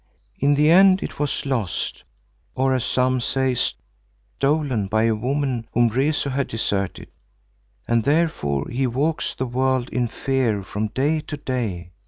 "In the end it was lost, or as some say stolen by a woman whom Rezu had deserted, and therefore he walks the world in fear from day to day.